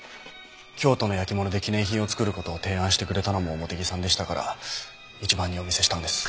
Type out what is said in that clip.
京都の焼き物で記念品を作る事を提案してくれたのも茂手木さんでしたから一番にお見せしたんです。